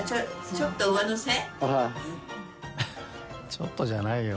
ちょっとどころじゃないよ